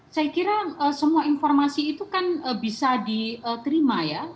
saya kira semua informasi itu kan bisa diterima ya